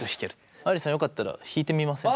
愛理さんよかったら弾いてみませんか。